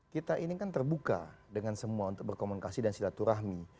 kita ini kan terbuka dengan semua untuk berkomunikasi dan silaturahmi